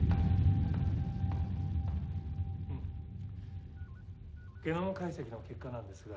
うんゲノム解析の結果なんですが。